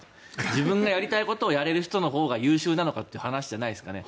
自分がやりたいことをやれる人のほうが優秀なのかという話じゃないですかね。